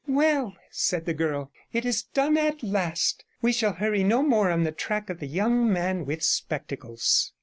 'Well,' said the girl, 'it is done at last. We shall hurry no more on the track of the young man with spectacles.'